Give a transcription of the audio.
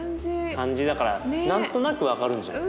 漢字だから何となく分かるんじゃない？